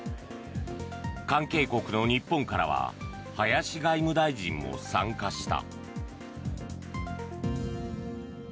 関係国の日本からは林外務大臣も参加した。